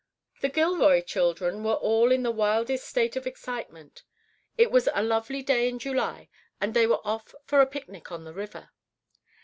The Gilroy children were all in the wildest state of excitement. It was a lovely day in July, and they were going off for a picnic on the river.